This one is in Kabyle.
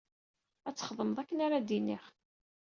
Ad txedmeḍ akken ara d-iniɣ.